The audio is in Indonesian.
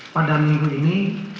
pada minggu ini